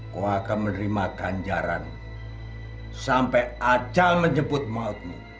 kau akan menerima kanjaran sampai ajal menjemput mautmu